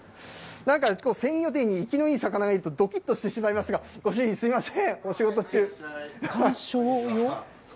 なんか鮮魚店に生きのいい金魚がいるとどきっとしてしまいますが、ご主人すみません、お仕事中。